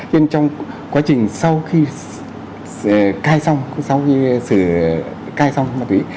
nhưng trong quá trình sau khi cai xong sau khi sửa cai xong ma túy